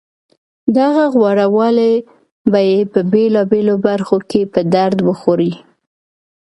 دغه غورهوالی به یې په بېلابېلو برخو کې په درد وخوري